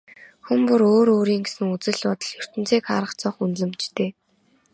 Хүн бүр өөр өөрийн гэсэн үзэл бодол, ертөнцийг харах цонх, үнэлэмжтэй.